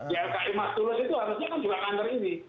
ylki mas tulus itu harusnya kan juga kantor ini